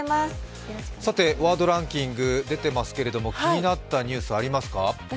ワードランキング出ていますけれども、気になったニュースありますか？